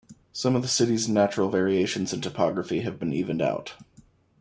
Some of the city's natural variations in topography have been evened out.